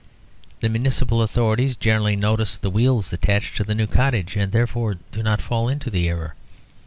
The municipal authorities generally notice the wheels attached to the new cottage, and therefore do not fall into the error.